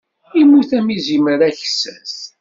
Immut am izimer aksas.